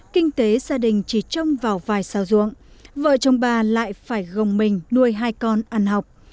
kinh tế gia đình chỉ trông vào vài xào ruộng vợ chồng bà lại phải gồng mình nuôi hai con ăn học